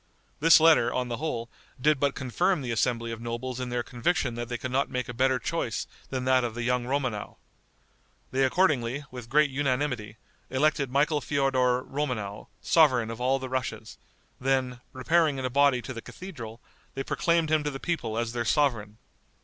This letter, on the whole, did but confirm the assembly of nobles in their conviction that they could not make a better choice than that of the young Romanow. They accordingly, with great unanimity, elected Michael Feodor Romanow, sovereign of all the Russias; then, repairing in a body to the cathedral, they proclaimed him to the people as their sovereign.